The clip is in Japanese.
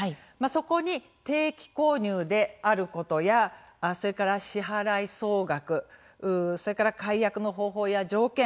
そこに、定期購入であることやそれから支払い総額それから解約の方法や条件